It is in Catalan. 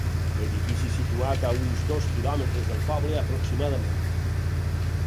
Edifici situat a uns dos quilòmetres del poble aproximadament.